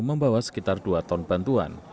membawa sekitar dua ton bantuan